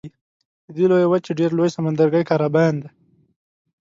د دې لویې وچې ډېر لوی سمندرګی کارابین دی.